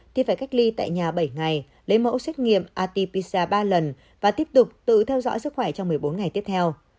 thì phải cách ly tại nhà bảy ngày lấy mẫu xét nghiệm at pisa ba lần và tiếp tục tự theo dõi sức khỏe trong một mươi bốn ngày tiếp theo